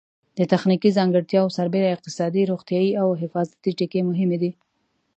د تخنیکي ځانګړتیاوو سربېره اقتصادي، روغتیایي او حفاظتي ټکي مهم دي.